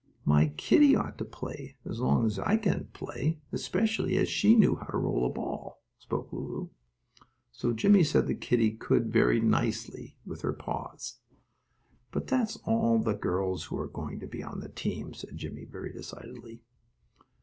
"My kittie ought to play, as long as I can't play, especially as she knew how to roll a ball," spoke Lulu. So Jimmie said the kittie could very nicely with her paws. "But that's all the girls who are going to be on the team," said Jimmie very decidedly.